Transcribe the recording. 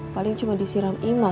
paling cuma disiram imas